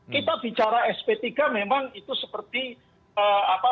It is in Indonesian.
kita bicara sp tiga memang itu seperti pisau bermata